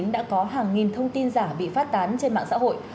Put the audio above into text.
đã có hàng nghìn thông tin giả bị phát tán trên mạng xã hội